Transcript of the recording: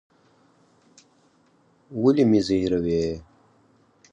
ولي مي زهيروې؟